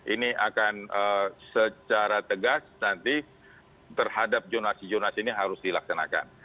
ini akan secara tegas nanti terhadap jurnasi jonasi ini harus dilaksanakan